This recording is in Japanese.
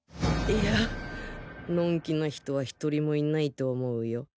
いやのん気な人は１人もいないと思うよ